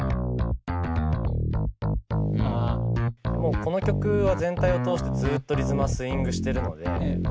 もうこの曲は全体を通してずっとリズムはスイングしてるので。